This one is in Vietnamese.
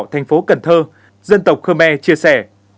thành phố cần thơ dân tộc khmer chia sẻ